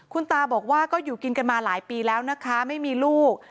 คุณตาบอกว่าก็อยู่กินกันมาหลายปีแล้วนะคะไม่มีลูก